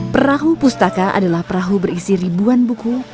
perahu pustaka adalah perahu berisi ribuan buku